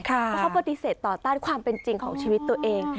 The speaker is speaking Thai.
เพราะเขาปฏิเสธต่อต้านความเป็นจริงของชีวิตตัวเอง